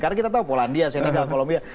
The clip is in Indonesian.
karena kita tahu polandia senegal columbia